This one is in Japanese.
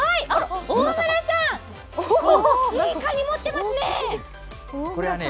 大村さん、大きいかに持ってますね